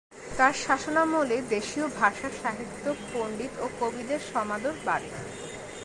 তার শাসনামলে দেশীয় ভাষা, সাহিত্য, পণ্ডিত ও কবিদের সমাদর বাড়ে।